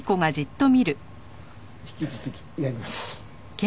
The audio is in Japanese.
引き続きやります。